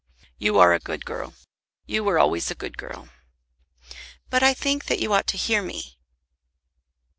"You are a good girl. You were always a good girl." "But I think that you ought to hear me."